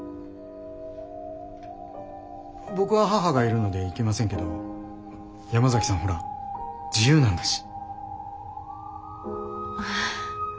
僕は母がいるので行けませんけど山崎さんほら自由なんだし。